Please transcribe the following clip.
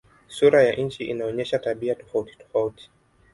Sura ya nchi inaonyesha tabia tofautitofauti.